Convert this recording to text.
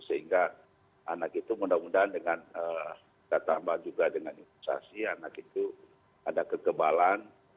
sehingga anak itu mudah mudahan dengan ketambah juga dengan instasi anak itu ada kekebalan